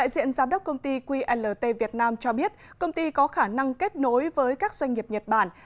giám đốc công ty qlt việt nam cho biết công ty có khả năng kết nối với các doanh nghiệp nhật bản